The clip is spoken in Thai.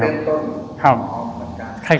เป็นต้นของคนกลาง